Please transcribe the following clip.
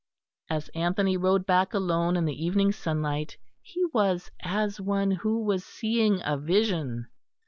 As Anthony rode back alone in the evening sunlight, he was as one who was seeing a vision.